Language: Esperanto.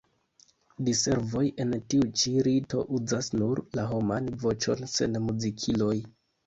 Diservoj en tiu ĉi rito uzas nur la homan voĉon sen muzikiloj.